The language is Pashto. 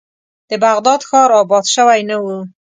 د بغداد ښار آباد شوی نه و.